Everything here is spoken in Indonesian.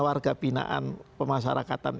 warga pinaan pemasarakatan